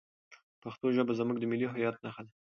پښتو ژبه زموږ د ملي هویت نښه ده.